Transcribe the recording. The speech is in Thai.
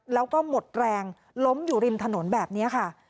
แล้วก็หมดแรงล้มอยู่ริมถนนแบบนี้ค่ะ